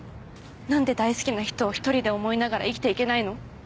なんで大好きな人を１人で思いながら生きていけないの？